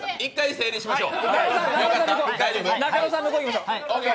整理しましょう。